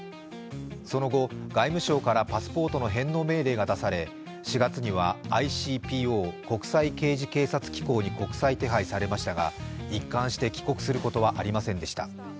その後、外務省からパスポートの返納命令が出され、４月にはＩＣＰＯ＝国際刑事警察機構に国際手配されても一貫して帰国することはありませんでした。